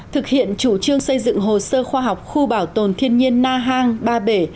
thực hiện chủ trương xây dựng hồ sơ khoa học khu bảo tồn thiên nhiên na hàng ba bể